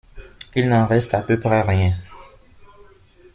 Il n'en reste à peu près rien.